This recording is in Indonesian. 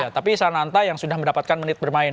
tapi sananta yang sudah mendapatkan menit bermain